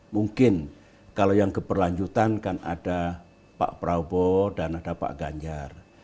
mungkin kalau yang keberlanjutan kan ada pak prabowo dan ada pak ganjar